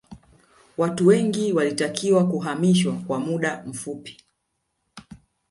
watu wengi walitakiwa kuhamishwa kwa muda mfupi